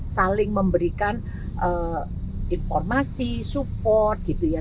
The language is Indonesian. saling memberikan informasi support gitu ya